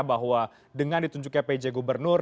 bahwa dengan ditunjuknya pj gubernur